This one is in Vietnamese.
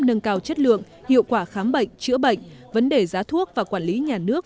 nâng cao chất lượng hiệu quả khám bệnh chữa bệnh vấn đề giá thuốc và quản lý nhà nước